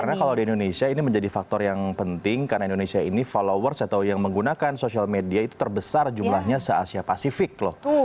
karena kalau di indonesia ini menjadi faktor yang penting karena indonesia ini followers atau yang menggunakan sosial media itu terbesar jumlahnya se asia pasifik loh